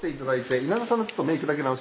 稲田さんのメイクだけ直します。